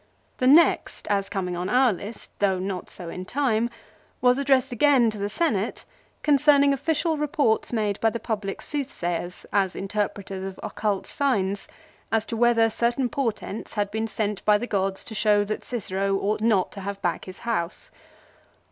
The next, as coming on our list, though not so in time, was addressed again to the Senate concerning official reports made by the public soothsayers as interpreters of occult signs, as to whether certain portents had been sent by the gods to show that Cicero ought not to have back his house.